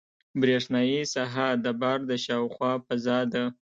برېښنایي ساحه د بار د شاوخوا فضا ده.